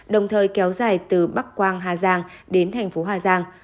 đồng thời kéo dài từ bắc quang hà giang đến thành phố hà giang